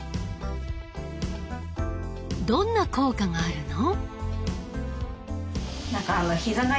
どんな効果があるの？